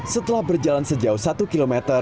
setelah berjalan sejauh satu km